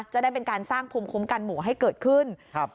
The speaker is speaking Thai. จะได้เป็นการสร้างภูมิคุ้มกันหมู่ให้เกิดขึ้นครับ